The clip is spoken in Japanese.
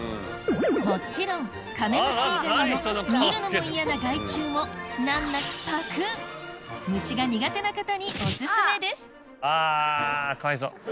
もちろんカメムシ以外の見るのも嫌な害虫も難なくぱくっ虫が苦手な方にお薦めですあぁ。